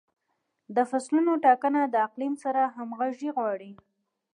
د فصلونو ټاکنه د اقلیم سره همغږي غواړي.